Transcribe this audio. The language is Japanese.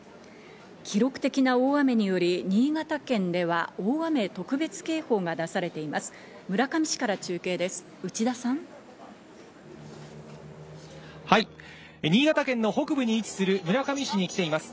記録的な大雨により新潟県では大雨特別警報が出されています。